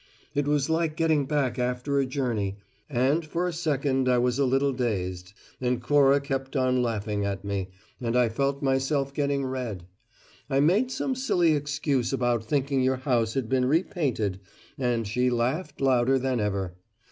It was like getting back after a journey, and for a second I was a little dazed, and Cora kept on laughing at me, and I felt myself getting red. I made some silly excuse about thinking your house had been repainted and she laughed louder than ever.